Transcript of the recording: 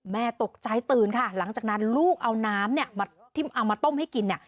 แม่ตกใจตื่นค่ะหลังจากนั้นลูกเอาน้ำเนี่ยเอามาต้มให้กินเนี่ย